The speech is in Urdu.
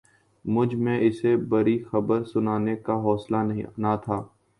مجھ میں اسے بری خبر سنانے کا حوصلہ نہ تھا